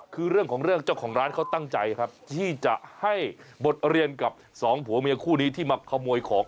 คือเรื่องของเรื่องเจ้าของร้านเขาตั้งใจครับที่จะให้บทเรียนกับสองผัวเมียคู่นี้ที่มาขโมยของ